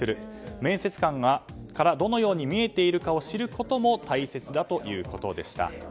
面接官からどのように見えているかということを知ることも大切だということでした。